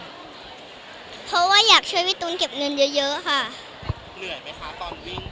เหนื่อยไหมคะตอนวิ่งแบบไปเรื่อยรู้สึกเหนื่อยไหม